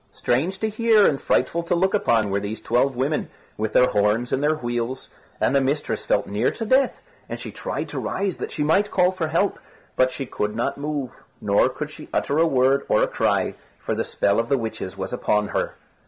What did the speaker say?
Strange to hear, and frightful to look upon, were these twelve women, with their horns and their wheels; and the mistress felt near to death, and she tried to rise that she might call for help, but she could not move, nor could she utter a word or a cry, for the spell of the witches was upon her.